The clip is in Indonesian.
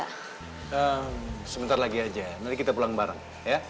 hmm sebentar lagi aja nanti kita pulang bareng ya